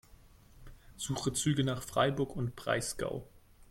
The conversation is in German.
Suche Züge nach Freiburg im Breisgau.